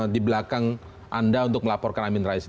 di belakang anda untuk melaporkan amin rais